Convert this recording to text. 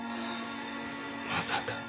まさか。